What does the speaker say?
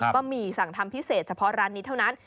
หมี่สั่งทำพิเศษเฉพาะร้านนี้เท่านั้น